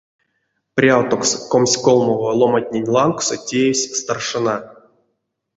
Прявтокс комськолмово ломантнень лангсо теевсь старшина.